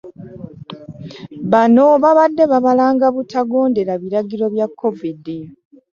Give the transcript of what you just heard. Bano babadde babalanga butagondera biragiro bya covid.